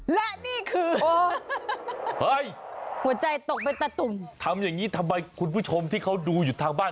และนี่คือเฮ้ยหัวใจตกเป็นตะตุ่มทำอย่างนี้ทำไมคุณผู้ชมที่เขาดูอยู่ทางบ้าน